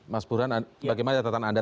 mas burhan bagaimana catatan anda